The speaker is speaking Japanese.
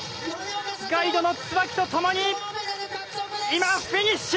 ガイドの椿とともに今、フィニッシュ！